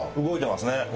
動いてますね。